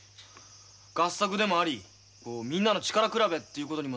合作でもありみんなの力比べっていうことにもなるわけですね。